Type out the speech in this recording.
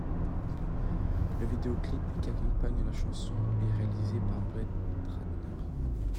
Le vidéoclip qui accompagne la chanson, est réalisé par Brett Ratner.